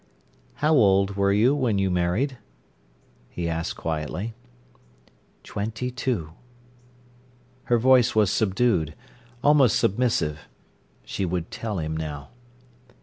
"How old were you when you married?" he asked quietly. "Twenty two." Her voice was subdued, almost submissive. She would tell him now.